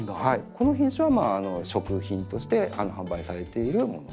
この品種は食品として販売されているもの。